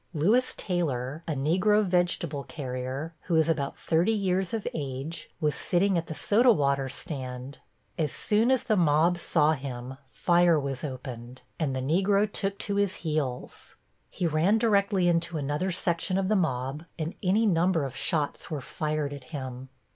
Louis Taylor, a Negro vegetable carrier, who is about thirty years of age, was sitting at the soda water stand. As soon as the mob saw him fire was opened and the Negro took to his heels. He ran directly into another section of the mob and any number of shots were fired at him.